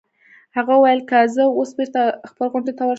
هغه وویل: که زه اوس بېرته خپل غونډ ته ورشم.